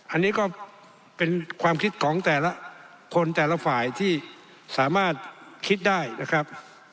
อันนี้ก็เป็นความคิดของแต่ละคนแต่ละฝ่ายที่สามารถคิดได้นะครับ